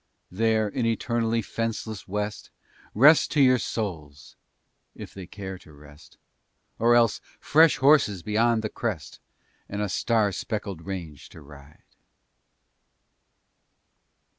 There, in eternally fenceless West, Rest to your souls, if they care to rest, Or else fresh horses beyond the crest And a star speckled range to ride.